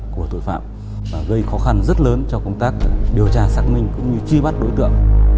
của tội phạm và gây khó khăn rất lớn cho công tác điều tra xác minh cũng như truy bắt đối tượng